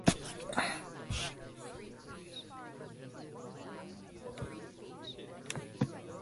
Ahwahnee is hilly and located in the Sierra Nevada mountains.